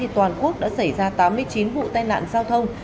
toàn quốc đã xảy ra tám mươi chín vụ tai nạn giao thông